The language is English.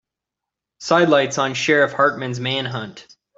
Sidelights on Sheriff Hartman's manhunt.